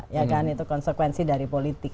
ya kan itu konsekuensi dari politik